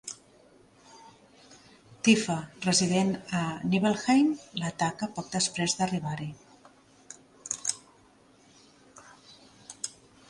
Tifa, resident a Nibelheim, l'ataca poc després d'arribar-hi.